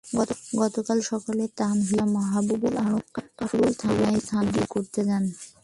গতকাল সকালে তানভীরের চাচা মাহবুবুল আলম কাফরুল থানায় জিডি করতে যান।